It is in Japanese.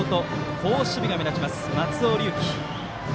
好守備が目立ちます、松尾龍樹。